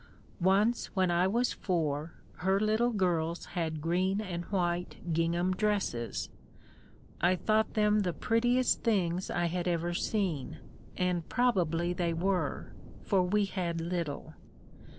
Once when I was four, her little girls had green and white gingham dresses. I thought them the prettiest things I had ever seen and probably they were, for we had little.